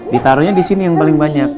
ditaruhnya di sini yang paling banyak